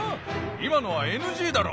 今のはＮＧだろ！